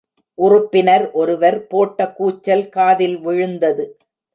உறுப்பினர் ஒருவர் போட்ட கூச்சல் காதில் விழுந்தது.